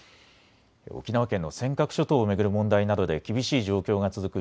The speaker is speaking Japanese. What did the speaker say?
沖縄県の尖閣諸島を巡る問題などで厳しい状況が続く